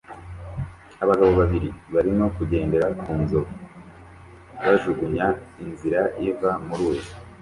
Abagabo babiri barimo kugendera ku nzovu bajugunya inzira iva mu ruzi